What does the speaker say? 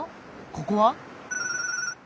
ここは？